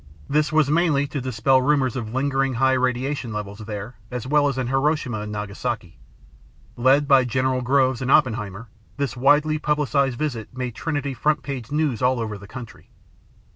This was mainly to dispel rumors of lingering high radiation levels there, as well as in Hiroshima and Nagasaki. Led by General Groves and Oppenheimer, this widely publicized visit made Trinity front page news all over the country.